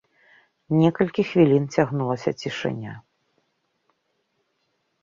Некалькі хвілін цягнулася цішыня.